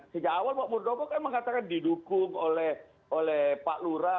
sejak awal pak muldoko kan mengatakan didukung oleh pak lura